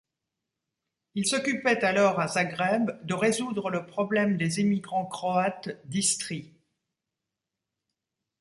Il s'occupait alors à Zagreb de résoudre le problème des émigrants croates d'Istrie.